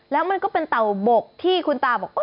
แล้วมันก็เป็นเต่าบกที่คุณตาบอก